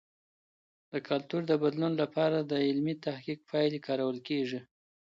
د کلتور د بدلون لپاره د علمي تحقیق پایلې کارول کیږي.